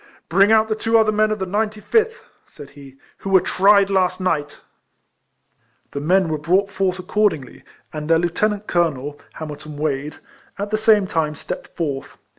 "Bring out the two other men of the 95th," said he, " who were tried last night." The men were brought forth accord, ingly, and their lieutenant colonel, Hamilton K 3 202 RECOLLECTIONS OF Wade, at the same time stepped forth.